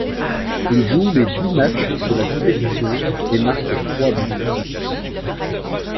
Il joue les dix matchs de la compétition et marque trois buts.